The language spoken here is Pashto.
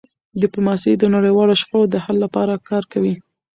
ډيپلوماسي د نړیوالو شخړو د حل لپاره کار کوي.